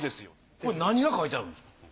これ何が書いてあるんですか？